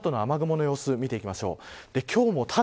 この後の雨雲の様子を見ていきます。